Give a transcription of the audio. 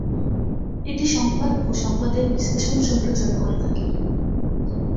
এটি সংবাদ ও সংবাদের বিশ্লেষণ সম্প্রচার করে থাকে।